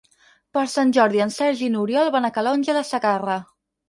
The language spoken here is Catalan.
Per Sant Jordi en Sergi i n'Oriol van a Calonge de Segarra.